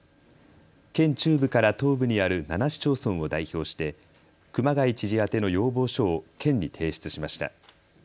県中部から東部にある７市町村を代表して熊谷知事宛ての要望書を県に提出しました。